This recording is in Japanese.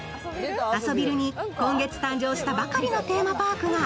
アソビルに今月誕生したばかりのテーマパークが。